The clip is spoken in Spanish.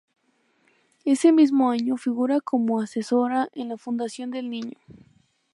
Ese mismo año figura como asesora en la Fundación del Niño.